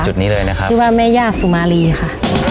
ชื่อว่าแม่ย่าสุมารีค่ะ